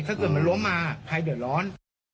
ถ้าเกิดมันล้มมาใครเดือดร้อน